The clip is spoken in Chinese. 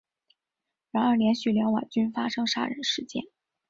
然而连续两晚均发生杀人事件。